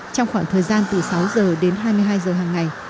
trong khoảng thời gian từ sáu h đến hai mươi hai h hàng ngày